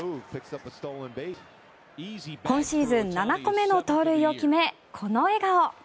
今シーズン７個目の盗塁を決めこの笑顔。